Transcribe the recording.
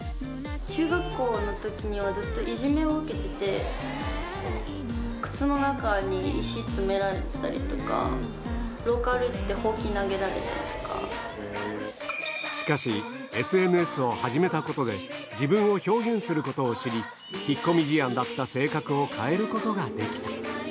中学校のときには、ずっといじめを受けてて、靴の中に石詰められたりとか、廊下歩いてて、ほうき投げられたしかし、ＳＮＳを始めたことで、自分を表現することを知り、引っ込み思案だった性格を変えることができた。